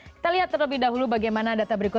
kita lihat terlebih dahulu bagaimana data berikut